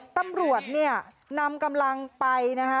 ตำรวจเนี่ยนำกำลังไปนะคะ